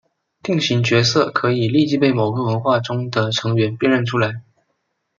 定型角色可以立即被某个文化中的成员辨认出来。